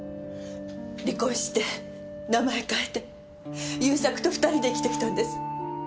離婚して名前変えて勇作と２人で生きてきたんです。